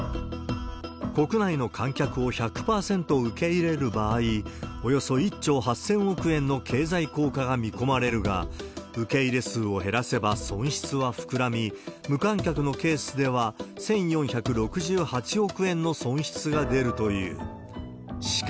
国内の観客を１００％受け入れる場合、およそ１兆８０００億円の経済効果が見込まれるが、受け入れ数を減らせば損失は膨らみ、無観客のケースでは１４６８億円の損失が出るという。